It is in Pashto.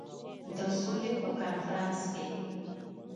د سولي په کنفرانس کې.